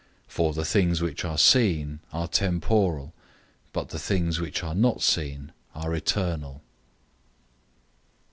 For the things which are seen are temporal, but the things which are not seen are eternal.